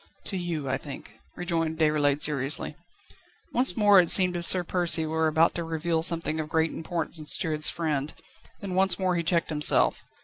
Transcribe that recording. "To you, I think," rejoined Déroulède seriously. Once more it seemed as if Sir Percy were about to reveal something of great importance to his friend, then once more he checked himself.